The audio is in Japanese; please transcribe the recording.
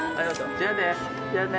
じゃあね！